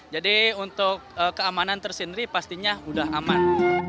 jadi untuk keamanan tersendiri pastinya udah aman